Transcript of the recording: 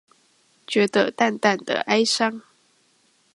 覺得淡淡的哀傷